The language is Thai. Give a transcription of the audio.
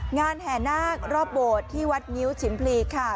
งานแห่นาครอบโบดที่วัดงิ้วฉินพรีค่ะ